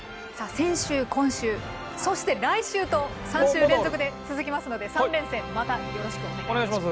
先週今週そして来週と３週連続で続きますので３連戦またよろしくお願いします。